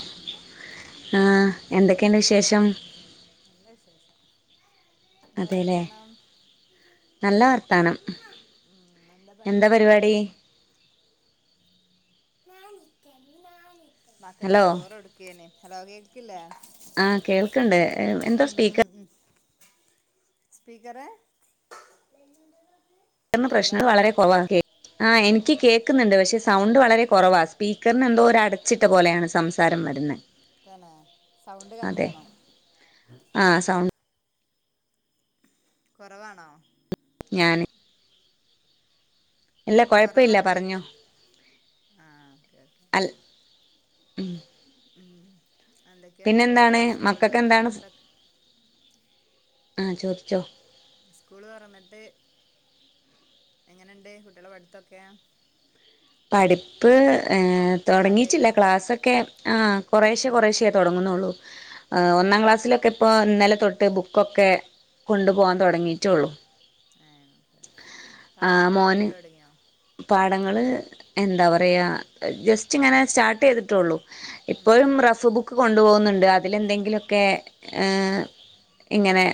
ആ ആ എന്തൊക്കെയുണ്ട് വിശേഷം നല്ല വിശേഷം എന്താ വർത്താനം അതെല്ലേനല്ല വർത്താനം ഉം പണി എന്താ പരിപാടി മക്കക്ക് ഹലോ ചോറ് കൊട്ക്കെന് ഹലോ കേക് ക്കില്ലേ ആ കേൾക്ക്ണ്ടേ എന്താ ഉം സ്പീക്കർ ഉം സ്പീക്കറ് വ്ട്ന്ന് ഹലോ പ്രശ്നള് വളരെ കൊറവ കേ ആ എനിക്ക് കേക്ക്ന്നുണ്ട് പക്ഷെ സൗണ്ട് വളരെ കൊറവാ സ്പീക്കറിനെന്തോരു അടച്ചിട്ട പോലെ സംസാരം വരുന്നേ തന്നെ സൗണ്ട് കമ്മിയാണോ ആഹ് സൗണ്ട് കുറവാണോ ഞാൻ ഇല്ല കൊഴപ്പല്ല കുറവാണോയിക്ക് പറഞ്ഞോ ആ ഓക്കെ അൽ ഉം ഉം എന്തൊക്കെണ്ട് സ്കൂള് തോ റന്നിട്ടൊക്കെ ആചോദിച്ചോ സ്കൂള് ഓർന്ന്ട്ട് എങ്ങനെുണ്ട് കുട്ടികളെ പടുത്തൊക്കെ പഠിപ്പ് അ സ്റ്റാർട്ട് തോടങ്ങിട്ടില്ല ചെയ്തോ ക്ലാസ്സൊക്കെ ആ കൊറേഷ്യ ഉം കൊറേഷ്തോ ടങ്ങുന്നുള്ളൂഹ ആ ഒന്നാം ക്ലാസ്സിലൊക്കെ ഇപ്പോ ഇന്നലെ തൊട്ട് ബുക്കൊക്കെ കൊണ്ടു പോകാൻ തോ ടങ്ങിട്ടുള്ളൂ ഏഹ് ഓക്കെ ആ പാടങ്ങളൊക്കെ മോന് എടുക്കല് തൊടങ്ങിയോ പാ ഞങ്ങള് എന്താ പറയാ ജസ്റ്റ് ഇങ്ങനെ സ്റ്റാർട്ട് ചെയ്തിട്ടോള്ളൂ ഉം ഇപ്പോഴും ഉം റഫ് ബുക്ക് കൊണ്ടു പോകു അതിലെന്തെങ്കിലോ ക്കെ ഇങ്ങനെ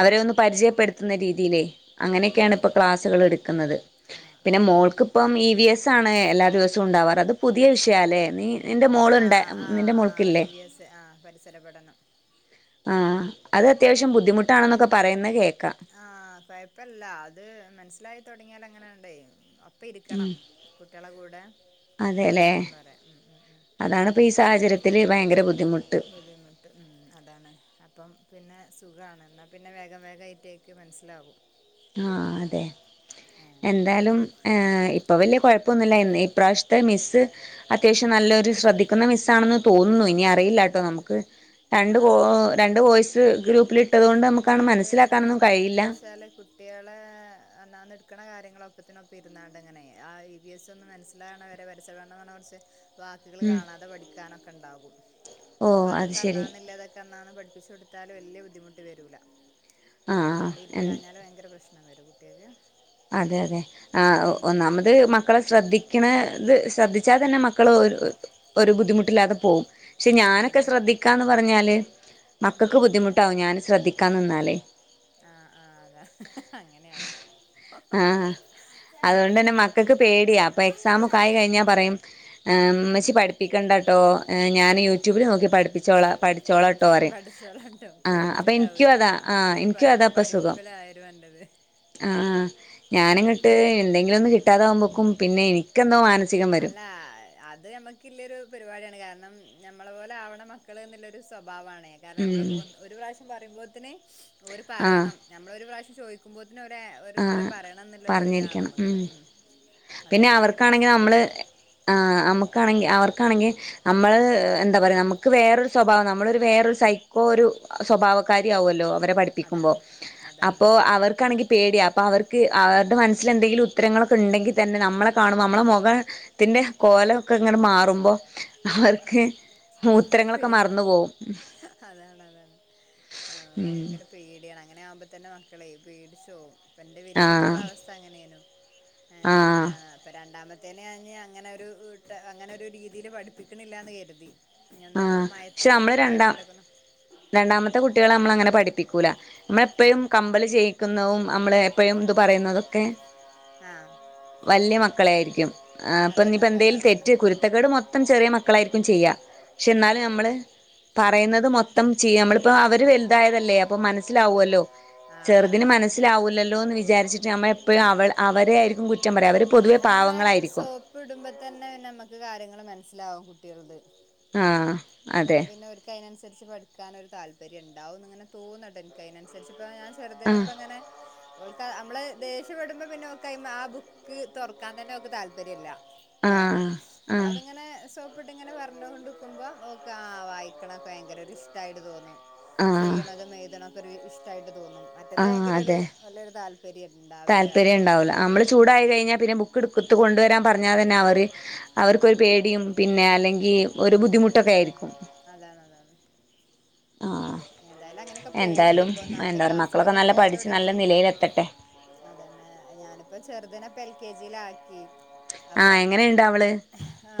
അവരെ ഒന്ന് പരിചയപ്പെടുത്തുന്ന രീതിയിലേ അങ്ങനെയൊക്കെയാണ് ഇപ്പോൾ ആഹ് ക്ലാസ്സുകൾ എടുക്കുന്നത് ആഹ് പിന്നെ ആഹ് അത് ശരി മോൾക്കിപ്പം ഇ വി എസ് മെ എല്ലാ ദിവസവും ഉണ്ടാവാറ് അത് പുതിയ വിഷയല്ലേ നീ നിന്റെ മോള് ണ്ട് ആഹ് നിന്റെ ആഹ് മോൾക്കി ആഹ് ല്ലേ ഇ വി എസ് ആഹ് പരിസര പഠനം ആ അത് അത്യാവശ്യം ബുദ്ധിമുട്ടാണെന്നൊക്കെ പറയുന്നത് കേ ആഹ് കൊഴപ്പല്ല അത് മനസ്സിലായിത്തോ ടങ്ങിയാലങ്ങനെണ്ടെ അപ്പ ഇരിക്കണം കുട്ടികളെ കൂടെ അപ്പ അതെല്ലേ ഇരിക്കണം വരെ ഉം ഉം ഉം അതാണിപ്പോൾ ഈ സാഹചര്യത്തിൽ ഭയങ്കര ബു ബുദ്ധിമുട്ട് ഉം അതാണ് അപ്പം പിന്നെ സുഖാണ് എന്നാ പിന്നെ വേഗം വേഗം ആയിറ്റെക് മനസ്സിലാകും ആ അതെ ഏഹ് എന്താലും ഏഹ് ഇപ്പൊ വല്യ കൊഴപ്പൊന്നുല്ല എന്നാ ഈപ്രാവശത്തെ മിസ്സ് അത്യാവശ്യം ഉം നല്ലൊരു ശ്രദ്ധിക്കുന്ന മിസ്സാണെന്ന് തോന്നുന്നു ഇനി അറിയില്ലാട്ടോ നമുക്ക് രണ്ട് കോ ആഹ് രണ്ടു കോയിസ് ത് ഗ്രൂപ്പിലി അത് ഞമ് ആ അ എന്താച്ചാല് കുട്ടിക ക്കളേ അന്നന്ന എട്ക്കണ കാര്യങ്ങള ഒപ്പത്തിനൊപ്പ ഇരുന്നാണ്ട് അങ്ങനെ ആ ഇ ബി എസ് ഒന്ന് മനസ്സിലാകണ വരെ പരിസരപടനൊന്ന് കുറച്ച് വാക്കുകള് ഉം കാണാതെ പഠിക്കാനൊക്കെ ഉണ്ടാകും ഓ അപ്പ അത് അതൊക്കെ ശരി അന്നാന്നല്ലതൊക്കെ അന്നാന്ന് പഠിപ്പിച്ച് കൊടു ത്താല് വല്യ ബുദ്ധിമുട്ട് വരൂല്ല മറ്റേ ആഹ് നമ്മള് ആഹ് ഇരിക്കാഞ്ഞാല് ഭയങ്കര പ്രശ് ഞാവര കൂട്ടാ അരി അതെ അതെ ആ ഒ ഒന്നാമ്മത് മക്കളെ സ്കൂ ശ്രദ്ധിക്ക്‌ണ് ത് ശ്രദ്ധിച്ചാൽ തന്നെ മക്കൾ ഒരു ഒരു ബുദ്ധിമുട്ടില്ലാതെ പോവും ക്ഷെ ആഹ് ഞാനൊക്കെ അതാ ശ്രദ്ധിക്കാ പറഞ്ഞാല് ഉം മക്കക്ക് ബുദ്ധിമുട്ടാവും ഞാന് ശ്രദ്ധി ക്കാ നിന്നാലേ ആ ആ അതാ അങ്ങനെയാണോ ആഹാ അതുകൊണ്ട് തന്നെ മക്കക്ക് പേടിയാ അപ്പൊ അഞ്ച് എക്സാമൊക്കായി വാച്ച് കഴിഞ്ഞാ പറയും ആ ഉമ്മച്ചി അഞ്ച് വാച്ച് പഠിപ്പിക്കണ്ടാ ട്ടോ ഞാന് യൂട്യൂബിൽ നോക്കി പഠിപ്പിച്ചോളാം പഠിപ്പിച്ചോളാ ട്ടോ പറയും പഠിച്ചോളാട്ടോ ആ അപ്പം എനിക്കും പേടിച്ചിട്ടാവൂല അതാ ആ അമ്മാതിരി എനിക്കും പഠി അതാ പ്പം സുഖം പഠിപ്പിലായിരുന്നു എന്റത് ആഹ് ആഹ് ഞാനിങ്ങട്ട് എന്തെങ്കിലൊന്ന് കിട്ടാതാ വുമ്പോക്കും പിന്നെ എനിക്കെന്തോ മാ അല്ല അത് ഞമ്മക്കില്ലെരു പരിപാട്യാണ് കാര് ണം ഞമ്മളെ പോലാവണം മക്കള്ന്ന്ല്ലൊരു സ്വപ് ഭാവാണെ കാരണം ഞമ്മള് ഉം ഒന്ന് ഒര് പ്രാശ്യം പറിമ്പോത്ത്ന് ഓര് ആഹ് പറയണം ഞമ്മളൊര് പ്രാശ്യം ചോയ്ക് ന്നോരെ ഓരുത്തരം ആഹ് പറയണംന്ന്ള്ളെരു താണമ്മക്ക് ഉം അതാണ് വല്യ പ്രശ്നം വര്ണ ആ അമ്മക്കാണെങ്കി അവർക്കാണെങ്കി നമ്മ അത് എന്താ പറയാ നമ്മുക്ക് വേറൊരു സ്വഭാവം, നമ്മളൊരു വേറൊരു സൈക്കോ ഒരു സ്വഭാവക്കാരി ആകുവല്ലോ അവരെ പഠിപ്പിക്കുമ്പോ, അതാണ് അതാണ് അപ്പോ അതാണ് അവർക്കാണെങ്കി അപ്പോ അവർക്ക് അവര്ടെ മനസ്സിലെന്തെങ്കിലും ഉത്തരങ്ങളൊക്കെ ഇണ്ടെങ്കി തന്നെ നമ്മളെ കാണുമ്പോൾ നമ്മളെ മുഖ ത്തിൻ്റെ കോലൊക്കെങ്ങനെ മാറുമ്പോ അവർക്ക്, പേ ഉത്തരങ്ങളൊക്കെ മറന്നു പോകും. അതാണ് അതാണ് ആഹ് [inaudible] ഹ്മ്മ് ഭയങ്കര പേടിയാണ് അങ്ങനെ ആവുമ്പോ തന്നെ മക്കളേ പേടിച്ച് പോവും. പ്പൊ എന്റെ വല്യ മോളെ ആഹ് അവസ്ഥ അങ്ങനെനു ആഹ് [unintelligible] അങ്ങനെ ഒരു ട്ട അങ്ങനൊരു രീതി ഇതില് പഠിപ്പിക്ക്ണില്ലാന്ന് കരുതി. ആ ഒന്ന് പക്ഷെ മയത്തിലും നമ്മള് രണ്ടാ കാര്യത്തിലൊക്കെ ഒന്ന് രണ്ടാമത്തെ കുട്ടികളെ നമ്മളങ്ങനെ പഠിപ്പിക്കൂല. നമ്മളെപ്പഴും ആഹ് കമ്പല് ചെയ്യിക്കുന്നവും നമ്മള് എപ്പോഴും ഇത് പറയുന്നതും ക്കെ ആഹ് [inaudible] വല്യ മക്കളെ ആയിരിക്കും. ആ അതന്നെ അതന്നെ അപ്പനിപ്പന്തേലും അതന്നെ തെറ്റ് കുരുത്തക്കേട് മൊത്തം ചെറിയ മക്ക ക്കളായിരിക്കും ചെയ്യാ പക്ഷെ ആഹ് എന്നാലും നമ്മള് ഉം പറയുന്നത് മൊത്തം ചെയ്യ, നമ്മളിപ്പൊ അവര് വലുതായതല്ലേ അപ്പം അതെ മനസ്സിലാവല്ലോ, ആഹ് അതാണ് ചെറുതിന് അതാണ് മനസ്സിലാകൂല്ലല്ലോ എന്ന് വിചാരിച്ചിട്ട് നമ്മളെപ്പഴും അവളെ അവരെ ആയിരിക്കും കുറ്റം പറയാ അവര് പൊതുവെ അത് നമ്മളെ പാവങ്ങളായിരിക്കും സോപ്പ് ഇടുമ്പോ തന്നെ പിന്നെ നമ്മക്ക് കാര്യങ്ങൾ മനസ്സിലാകും ല്ലോ കുട്ടിയോൾത്. ആാാ അപ്പൊ പിന്നെ ഓർക്ക് അതിനനുസരിച്ച് പഠിക്കാനൊരു താല് [unintelligible] ഉണ്ടാവുന്ന് തോന്നട്ടോ എനിക്ക് അതിനനുസരിച്ച് ഇപ്പ ഞാൻ ആഹ് ചെറുതിനെപ്പങ്ങനെ ഓൾക്കാ നമ്മള് ദേഷ്യപ്പെടുമ്പോ പിന്നെ ഓക്ക് ആ ബുക്ക് തൊറക്കാൻ തന്നെ ഓൾക്ക് താല്പര്യല്ല ഏഹ് ആഹ് ആഹ് നമ്മളതിങ്ങനെ സോ പ്പിട്ടിങ്ങനെ പറഞ്ഞോണ്ടിക്കുമ്പോൾ ഓ ബുക്ക്‌ ആഹ് വായിക്ക്ണൊക്കെ ഭയങ്കര ഒരു ഇഷ്ട്ടായിട്ട് തോന്നും. ആഹ് ചെയ്യ്ണതും എഴുത്ണോം [unintelligible] ഇഷ്ട്ടായിട്ട് ആഹ് അതെ, താല്പര്യം ഉണ്ടാവില്ല താല്പര്യം അറിയുന്നത് ഇണ്ടാവൂല. നമ്മള് ചൂടായി കഴിഞ്ഞാൽ പിന്നെ ബുക്ക് എടുക്ക ബുക്കൊണ്ടുവരാൻ പറഞ്ഞാൽ തന്നെ അവര് അവർക്കൊരു പേടിയും പിന്നെ അല്ലെങ്കി ഈ ഒര് ബുദ്ധിമുട്ടൊക്കേയ്ര്ക്കും അതാണ് അതാണ് ആഹ് ഏതായാലും അങ്ങനെയൊക്കെ പോവ്ണ്ട് എന്തായാലും ഇപ്പൊ ഒന്നാമത് എന്താ പറ മക്കളൊക്കെ ക്ലാസ്സിലൊക്കെ നല്ല പഠിച്ച് നല്ല പോവലൊടങ്ങി നിലയിലെത്തട്ടെ എൽകെജീലാക്കി ആഹ് അപ്പം എങ്ങനെയുണ്ട് അവള്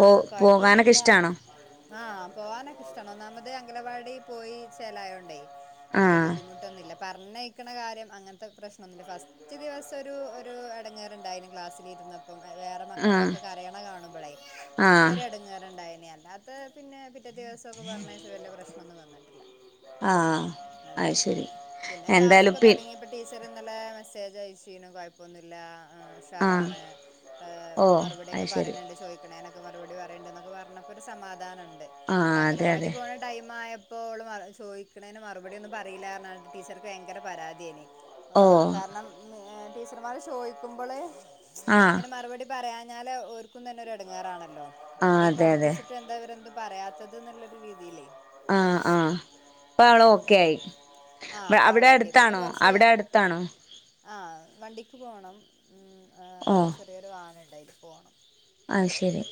പോ പോകാനൊക്കെ കൊഴപ്പാെന്നുല്ല ഇഷ്ടാണോ ആഹ് പോവാനൊ ഒന്നാമത് അംഗനവാടി പോയി ചേലായോണ്ടേ വല്യ ആഹ് ബുദ്ധിമുട്ടൊന്നുല്ല പർഞ്ഞയ്ക്ക്ണ കാര്യം അങ്ങൻത്തെ പ്രശ്നൊന്നുല്ല ഫസ്റ്റ് ദിവസം ഒരു ഒരു എടങ്ങേറ്ണ്ടായ്നി ക്ലാസ്സിലിര്ന്ന വേറെ ആഹ് മക്കളൊക്കെ കരയ്ണ കാണുമ്പളേ ആഹ് അപ്പൊര് എടെങ്ങേറ്ണ്ടായ് അല്ലാത്ത പിന്നെ പിറ്റേ ദിവസം ഇപ്പോ പറഞ്ഞയച്ചതല്ലേ പ്രശ്നം ആ അതെ അയ്ശരി എന്തായാലും പിൻ ഇവിടെ മെസ്സേജ് അയച്ചിനു കുഴപ്പമൊന്നുല്ല ആഹ് ഉഷാറാണ് ഓഹ് മറുപടിയൊക്കെ അത് ശരി പറയുന്നുണ്ട് ചോദിക്കണേനൊക്കെ മറുപടി പറയണ്ടൊക്കെ പറഞ്ഞപ്പോ സമാധാനമുണ്ട് ഇവിടെ ആഹ് അതെ അംഗനവാടി അതെ പോണ ടൈം ആയ ഇപ്പോൾ അവൾ ചോദിക്കുന്നതിന് മറുപടിയൊന്നും പറീല ടീച്ചർക്ക് ഭയങ്കര പരാതിയാ ആഹ് ഓഹ് കാരണം ടീച്ചർമാര് ചോയിക്കുമ്പോള് ആഹ് ഇങ്ങനെ മറുപടി പറയാൻ ഞാല് ഓർക്കും തന്നെ ഒരു ഇടങ്ങേറാണ് ആഹ് ഇത്രയും അതെ അതെ പഠിപ്പിട്ട് എന്താ അവരെന്തും പറയാത്ത അതന്നുള്ളൊരു രീതില്ലേ ആ ആ ഇപ്പൊ അവള് എന്താ ഓക്കെ ആയി ആ അപ്പ ആള് അവിടെ ഓക്കെ പിന്നെ അടുത്താണോ കൊറച്ച് അവിടെ അടുത്താണോ ആ വണ്ടിക്ക് പോണം ഉം ഒരു ചെറിയൊരു വാ നുണ്ട് എന്തായാലും പോണം ആ ശരി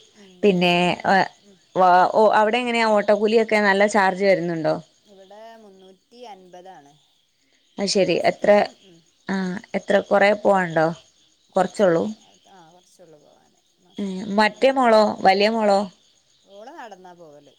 പിന്നെ ഉം അ ഒ അവിടെ എങ്ങനെയാ ഓ ഓട്ടോ കൂലിയൊക്കെ നല്ല ചാർജ് വരുന്നുണ്ടോ ഇവിടെ മുന്നൂറ്റി അൻപതാണ് അത്ശരി എത്ര മാസത്തില് ഉം ആ എത്ര കുറേ പോവാണ്ടോ കുറച്ചൊക്കെ ആ കൊറച്ച പോവാന് ഉം മാസത്തില് മറ്റേ മോളോ വലിയ മോളോ ഓള നടന്നാ പോവല്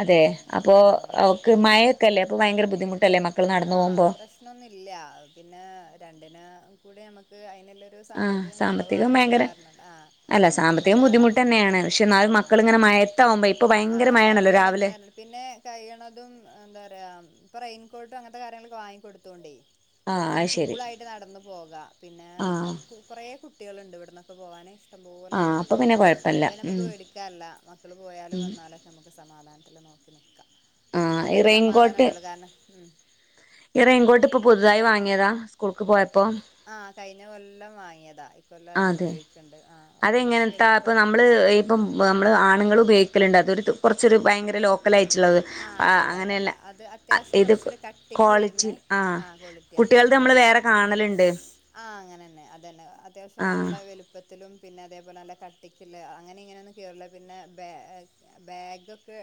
അതെ ഉം അപ്പൊ ആ ഓള് അവക്ക് മഴയൊക്കെല്ലേ ഭയങ്ക ബുദ്ധിമുട്ടല്ലേ മ ആ പ്രശ്നൊന്നുമില്ല പിന്നെ രണ്ടിന കൂടി നമക്ക് ക്ക് ആയി ആഹ് സാമ്പത്തികം കുറവായത് ഭയങ്കര കാരണം ആ അല്ല സാമ്പത്തികം അതുകൊണ്ടാണ് ബുദ്ധിമുട്ട് തന്നെയാണ് പക്ഷെ എന്നാലും ആ മക്കളിങ്ങനെ മയത്താവുമ്പോ ഇപ്പൊ ആ ഭയങ്കര മഴയാണല്ലോ അതകുമ്പോ രാവിലെ ഇടങ്ങേറ് പിന്നെ കഴിയണതും എന്താ പറയാ റെയിൻ ക്കോട്ടും അങ്ങനത്തെ കാര്യങ്ങളൊക്ക വാങ്ങി കൊടുക്കണ്ടേ ആഹ് ഒക്കൊന്ന് അത് ശരി കൂളായിട്ട് നടന്ന പോകാം പിന്നെ ആഹ് കുറെ കുട്ടികളുണ്ട് ഇവിടന്നൊക്കെ പോകാനാന് ഇഷ്ടംപോലെ ആഹ് അപ്പൊ മക്കളുണ്ട് പിന്നെ കൊഴപ്പല്ല അതു നമുക്ക് ഉം പേടിക്കാനില്ല മക്കള് പോയാലും വന്നാലൊക്കെ നമുക്ക് സമാധാനം അല്ല നോക്കിന ആഹ് ഈ എന്നാലൊരു സമാധാനം റെയിൻകോട്ട് ഉണ്ട കാരണം ഈ റൈൻകോട്ട് ഇപ്പൊ പുതുതായി വാങ്ങിയതാ സ്കൂൾക്ക് പോയ ആഹ് കഴിഞ്ഞ കൊല്ലം വാങ്ങിയതാ ഈ കൊല്ലം അത് തന്നെ അതെ ഉപയോഗിക്കണ്ട് ആഹ് അപ്പൊ കൊറച്ചു അതെങ്ങനത്താ ഇപ്പൊ വലിപ്പം ലുണ്ട് അതൊരു കുറച്ചൊരു ഭയങ്കര ലോ മക്കലായിട്ടുള്ളത് ആഹ് അങ്ങനെയല്ല ഇത് വരുന്നേ ആഹ് ക്വാളിറ്റി കുട്ടികൾത് അത്യാവശ്യം നമ്മള് നല്ലൊരു വേറെ ആഹ് കാണലുണ്ട് ആ അങ്ങനെ തന്നെ അതന്നെ അത്യാവശ്യം ആഹ് നല്ല വലുപ്പ ത്തിലും പിന്നെ അതേപോലെ നല്ല കട്ടിക്ക അങ്ങനെ ഇങ്ങനൊന്നും കീറുല്ല പിന്നെ ബാഗ് ബാഗൊക്കെ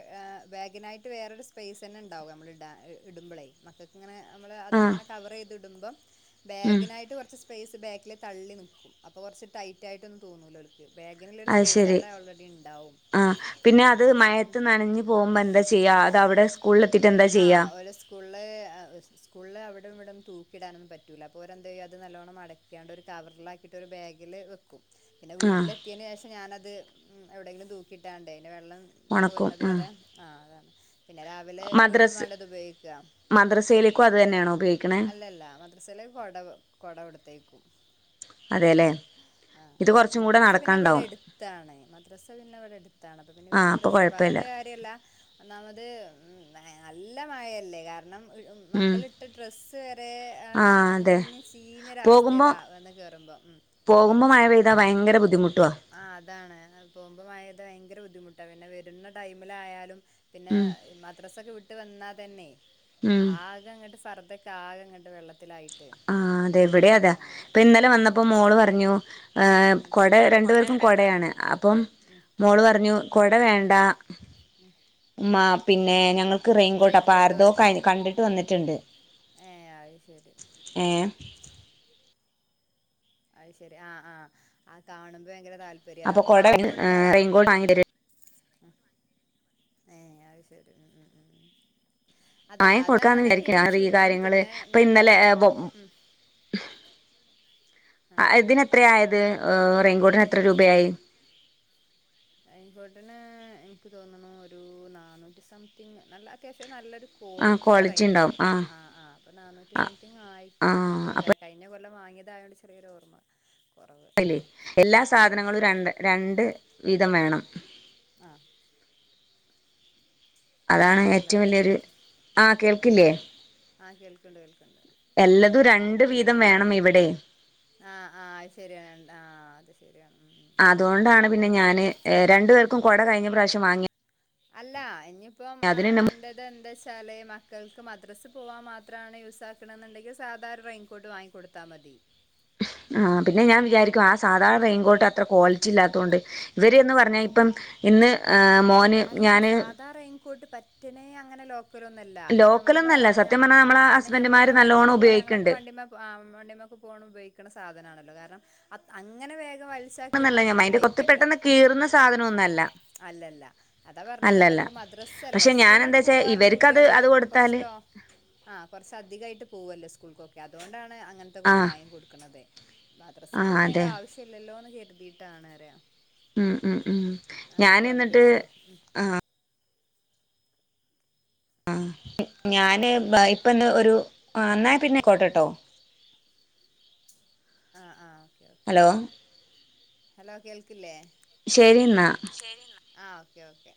ബാഗിനായി വേറൊരു സ്പേസ് തന്നെ ഉണ്ടാവും നമ്മൾ ഇടാൻ ഇടുമ്പളെ മക്കൾക്ക് ഇങ്ങനെ നമ്മള് ആഹ് അതിങ്ങനെ കവറ് ചെയ്തു ടുമ്പം ഉം ബാഗിനായിട്ട് കുറച്ച് സ്‌ സ്പേസ് ബാക്കില് തള്ളി നിൽക്കും അപ്പോൾ കുറച്ച് ടൈറ്റ് ആയിട്ടൊന്നും തോന്നു അത് ശരി ഉണ്ടാവും ആഹ് പിന്നെ ആഹ് അത് അപ്പം മയത്ത് ഉം. നനഞ്ഞു പോകുമ്പോ എന്താ ചെയ്യാ അതവിടെ സ്‌ ആഹ് ഒരു സ്കൂളില് ആ സ്കൂളില് അവിടെം ഇവിടെം തൂക്കു കിടാനൊന്നും പറ്റില്ല അപ്പോൾ ഒരെന്തുചെയ്യും അത് നല്ലവണ്ണം മടക്കിയാണ്ട് ഒരു കവറിലാക്കിട്ട് ഒരു ബാഗില് വെക്കും പിന്നെ ആഹ് വീട്ടിലെത്തിയെന് ശേഷം ഞാനത് ഉമ് എവിടെങ്കിലും തുക്കിട്ടാണ്ടെ വെള്ളം ഒണക്കും തോരുന്നത് ആഹ് വരെ ആ അതാണ് പിന്നെ രാവിലെ വീണ്ടും മദ്രസ് വേണ്ടത് ഉപയോഗിക്കുക മദ്രസയിലേക്കും അത് തന്നെയാണോ ഉപയോഗിക്കണേ അല്ലല്ല മദ്രസയില് കൊട കൊടുത്തയ്ക്കും അതെല്ലേ ആ ഇത് കുറച്ചും കൂടെ മദ്രസ പിന്നെ ഇവിടെ നടക്കാണ്ടാവും എടുത്താണ് മദ്രസ പിന്നെ ഇവിടെ എടുത്താണ് അപ്പൊ പിന്നെ ആഹ് വല്ല്യ അപ്പൊ പ്രശ്നം കൊഴപ്പല്ല പറഞ്ഞിട്ട് കാര്യല്ല ഒന്നാമത് ഉം [unintelligible] നല്ല മഴയല്ലേ കാരണം ഉം മക്കളിട്ട ഡ്രസ്സ് വരെ എ ആഹ് അതെ നനഞ്ഞ് പോകുമ്പോ ചീഞ്ഞൊരവസ്ഥയിലാ വന്ന് കേറുമ്പം ഉം താ ഭയങ്കര ബുദ്ധിമു ആ അതാണ് പോവുമ്പ മഴ പെയ്ത ഭയങ്കര ബുദ്ധിമുട്ട് ട്ട പിന്നെ വരുന്ന ടൈമിലായാലും പിന്നെ ഉം മദ്രാസ ഒക്കെ വിട്ട് വന്നാ തന്നെ ഉം ആകെ അങ്ങോട്ട് ഫർദൊക്കാകെ അങ്ങട്ട് വെള്ളത്തി ആ അതെ ഇവിടെം അതാ ഇപ്പൊ ഇന്നലെ വന്നപ്പോ മോള് പറഞ്ഞു എഹ് കുട രണ്ടു പറയാ ഉം കൊട പേർക്കും രണ്ട് കുടയാണ് അപ്പം മോള് പറഞ്ഞു കുട വേണ്ട ഉമ്മാ പിന്നെ ഞങ്ങൾ ക്ക് റെയിൻകോട്ട് അപ്പ ആരതോ റെയിൻകോട്ട് കണ്ടിട്ട് വന്നിട്ടുണ്ട് ഏ അത് ശരി ഏ അയ് ശെരി ആ ആ അ കാണുമ്പോ ഭയങ്കര താല്പര്യ അപ്പൊ കൊട വാങ്ങിക്കൊടുത്താളാ റെയിൻകോട്ട് വാങ്ങി തര ഏ അയ് ശരി മ് മ് ആയ കൊടുക്കാന്ന് വിചാരിക്ക അറ സുഖം കാര്യങ്ങള് പിന്നെ ഇപ്പ ഞാൻ പ ഇന്നലെ ബൊ ഉം ആ അ ഇതിനെത്രയായത് ആ റെയിൻകോട്ടിന് എത്ര രൂപയായി റെയിൻ കോട്ടിന് എനിക്ക് തോന്നുണു ഒരു നാന്നൂറ്റി സംതിങ് നല്ല അത്യാവശ്യം നല്ലൊരു ആഹ് ക്വാളിറ്റിള്ള ക്വാളിറ്റി ഉണ്ടാവും റയിൻകോട്ട ആഹ് ആഹ് അപ്പോ നാനൂറ്റി സംതിങ് ആയി ന്ന് ആഹ് തോന്നു അപ്പൊ കഴിഞ്ഞ കൊല്ലം വാങ്ങി ഇതായോണ്ട് ചെറിയൊരോർമ്മ അയില് എല്ലാ സാധനങ്ങളും രണ്ട് രണ്ട് വീധം വേണം ആഹ് അതാണ് ഏറ്റവും വലിയൊരു ആ ആ കേൾക്കില്ലേ ആഹ് കേൾക്കണ്ട് കേൾക്കണ്ട് എല്ലതും രണ്ട് വീ വേണം ഇവിടെയും ആഹ് ആഹ് അത് ശെരിയാണ് ആഹ് അത് ശെരിയാണ് അതുകൊണ്ടാണ് പിന്നെ ഞാന് രണ്ടു ഉം പേർക്കും കൊട കഴിഞ്ഞ പ്രാവശ്യം വാങ്ങിയ അല്ല ഇനി ഇപ്പം അതിന് ന അന്റെത് എന്താ വച്ചാല് മക്കൾക്ക് മ ദ്രാസെ പോവാൻ മാത്രാണ് യൂസാക്കണ് എന്നുണ്ടെങ്കിൽ സാധാ ഒരു റെയിൽ കോട്ട് വാങ്ങി കൊടുത്താ മതി ആ പിന്നെ ഞാൻ വിചാരിക്കും ആ സാധാരണ റെയിൻകോട്ട് അത്ര ക്വാളിറ്റി ഇല്ലാത്തോണ്ട് ഇവര്ന്ന് പറഞ്ഞാ ഇപ്പം ഇന്ന് ഏഹ് അല്ല സാധാ റെയിൽകോട്ട് പറ്റനേ അങ്ങനെ ലോ ക്കലാന്നുമല്ല അപ്പം ഞമ്മൾ ലോക്കലൊന്നല്ല സത്യം ഞമ്മ പറഞ്ഞാൽ ആ നമ്മളെ കാരണം ഹസ്ബൻഡുമാര് ഞമ്മളൊക്കെ വണ്ടിമേൽ നല്ലോണം പോണ് ഞങ്ങളൊക്കെ ഉപയോഗിക്ക്ണ്ട് വണ്ടിമ്മേ വണ്ടിമേക്കെ പോകണം ഉപയോഗിക്കുന്ന സാധനമാണ്. കാരണം അ അങ്ങനെ വേ അന്നല്ല ഞാൻ അതിന്റെ കൊത്തി പെട്ടെന്ന് കീറുന്ന സാധനം ഒന്നല്ല. അല്ലല്ല അതാ പറഞ്ഞത് അപ്പ എനിക്ക് മദ്രസല്ലേ സ്കൂളിലൊക്കെ എന്താ വെച്ചാ പോവാർന്ന ഇവർക്കത് കുട്ടികൾ അത് കൊടുത്താല് കുറച്ചല്ലോ ആ കുറച്ച അധികമായിട്ട് പോവല്ലോ സ്കൂൾക്കൊക്കെ. അതുകൊണ്ടാണ് ആ അങ്ങനത്തൊക്കെയൊന്ന് വാങ്ങി കൊടുക്കണത് മദ്രസക്ക് ആ പിന്നെ അതിന്റെ അതെ ആവശ്യ ഇല്ലല്ലോന്ന് കരുതിയിട്ടാണര ഉം ഉം ഉം ഞാൻ എന്നിട്ട് കൊടപേച്ച് ഉം ആഹ് ആ ഞാന് ഇപ്പന്ന് ഒരുന്നായ പിന്നെ കോട്ടാട്ടോ. ആ ആഹ് ഹലോ ഹലോ കേൾക്കില്ലേ? ശരി എന്നാ ശരി എന്നാ ആ ഓക്കെ ഓക്കെ